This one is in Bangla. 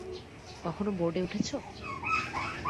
কখনো বোর্ডে উঠেছ?